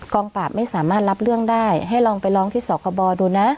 งปราบไม่สามารถรับเรื่องได้ให้ลองไปร้องที่สคบดูนะ